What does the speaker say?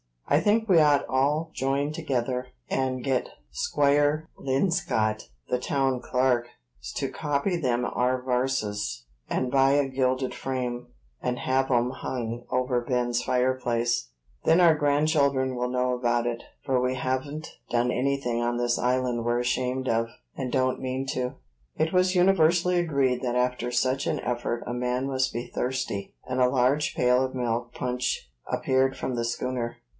I think we ought all join together, and get Squire Linscott, the town clark, to copy them are varses, and buy a gilded frame, and have 'em hung over Ben's fireplace; then our grandchildren will know about it, for we haven't done anything on this island we're ashamed of, and don't mean to." It was universally agreed that after such an effort a man must be thirsty; and a large pail of milk punch appeared from the schooner.